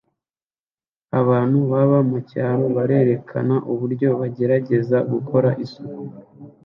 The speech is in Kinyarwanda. Abantu baba mucyaro barerekana uburyo bagerageza gukora isuku